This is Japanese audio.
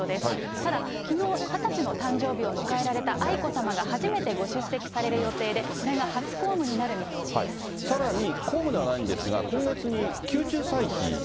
ただ、きのう、２０歳の誕生日を迎えられた愛子さまが初めてご出席される予定で、これが初公務になるさらに、公務ではないんですが、今月に宮中祭祀。